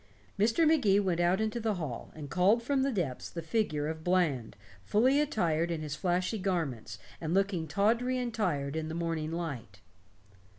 Mr. Magee went out into the hall and called from the depths the figure of Bland, fully attired in his flashy garments, and looking tawdry and tired in the morning light.